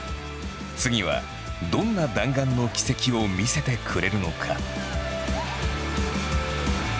次はどんな弾丸の軌跡を見せてくれるのか。